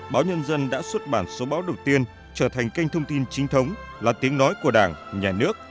báo nhân dân đã xuất bản số báo đầu tiên trở thành kênh thông tin chính thống là tiếng nói của đảng nhà nước